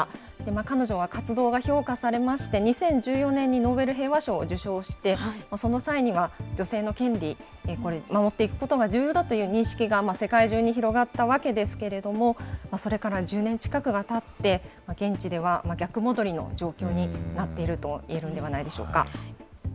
彼女は活動が評価されまして、２０１４年にノーベル平和賞を受賞して、その際には女性の権利、これ、守っていくことが重要だという認識が世界中に広がったわけですけれども、それから１０年近くがたって、現地では逆戻りの状況になっていると言えるんではないでしょうか。